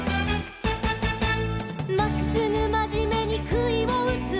「まっすぐまじめにくいをうつ」